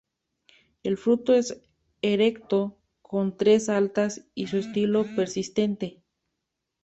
El fruto es erecto, con tres altas y un estilo persistente.